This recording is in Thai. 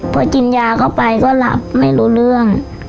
พอกินยาเข้าไปก็หลับไม่รู้เรื่อง